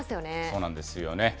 そうなんですよね。